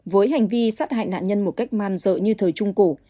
với hành vi sát hại nạn nhân một cách man dợ như thời trung cổ